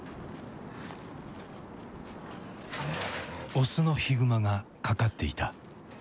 オスのヒグマが掛かっていた。